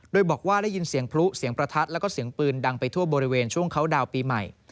โดยบอกว่าได้ยินเสียงพลุเสียงประทัดแล้วก็เสียงปืนดังไปทั่วบริเวณช่วงเขาดาวน์ปีใหม่